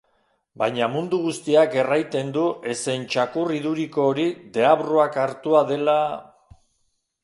Baina mundu guztiak erraiten du ezen txakur iduriko hori deabruak hartua dela...